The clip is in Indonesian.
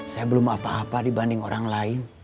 saya belum apa apa dibanding orang lain